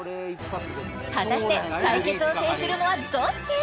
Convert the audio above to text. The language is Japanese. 果たして対決を制するのはどっち？